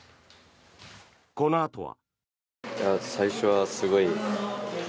このあとは。